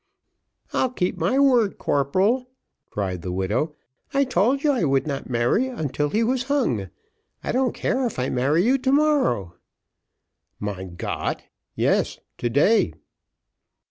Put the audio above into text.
"I'll keep my word, corporal," cried the widow, "I told you I would not marry until he was hung, I don't care if I marry you to morrow." "Mein Gott, yes, to day."